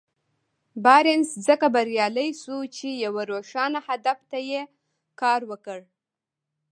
بارنس ځکه بريالی شو چې يوه روښانه هدف ته يې کار وکړ.